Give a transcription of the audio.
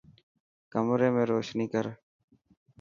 ڪمري ۾ روشني ڪر.